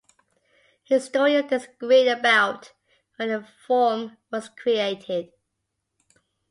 Historians disagree about when the form was created.